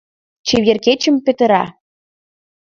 Чевер кечым петыра;